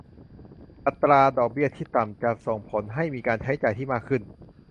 อัตราดอกเบี้ยที่ต่ำจะส่งผลให้มีการใช้จ่ายที่มากขึ้น